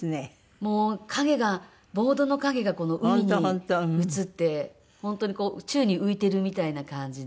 もう影がボードの影がこの海に映って本当に宙に浮いてるみたいな感じで。